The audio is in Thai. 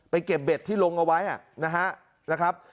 เก็บเบ็ดที่ลงเอาไว้นะครับ